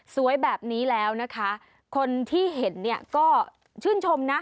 สวยแบบนี้แล้วนะคะคนที่เห็นเนี่ยก็ชื่นชมนะ